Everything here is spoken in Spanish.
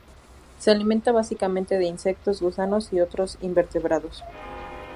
Se alimentan básicamente de insectos, gusanos y otros invertebrados.